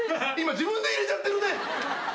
自分で入れちゃってるね。